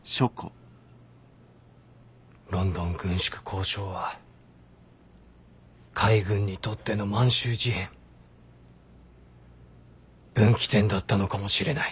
ロンドン軍縮交渉は海軍にとっての満州事変分岐点だったのかもしれない。